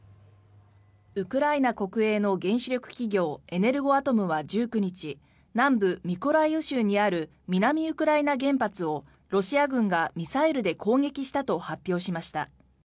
ウクライナ国営の原子力企業エネルゴアトムは１９日南部ミコライウ州にある南ウクライナ原発をロシア軍がミサイルで攻撃したと発表しました。